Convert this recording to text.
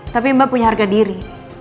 tapi mbak punya harga diri